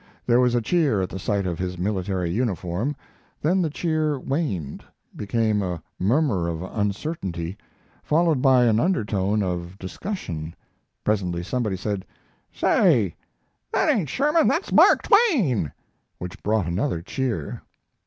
There was a cheer at the sight of his military uniform. Then the cheer waned, became a murmur of uncertainty, followed by an undertone of discussion. Presently somebody said: "Say, that ain't Sherman, that's Mark Twain," which brought another cheer.